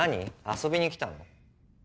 遊びに来たの？